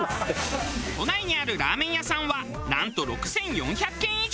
都内にあるラーメン屋さんはなんと６４００軒以上。